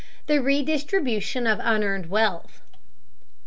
THE REDISTRIBUTION OF UNEARNED WEALTH.